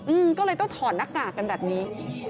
อืมก็เลยต้องถอดหน้ากากกันแบบนี้